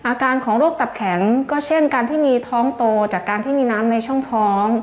อาการของโรคตับแข็งก็เช่นการที่มีท้องโตจากการที่มีน้ำในช่องท้อง